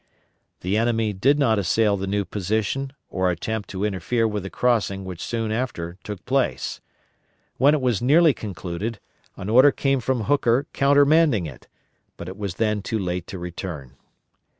The enemy did not assail the new position or attempt to interfere with the crossing which soon after took place. When it was nearly concluded, an order came from Hooker countermanding it, but it was then too late to return.